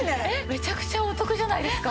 めちゃくちゃお得じゃないですか。